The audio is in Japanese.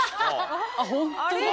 ホントだ。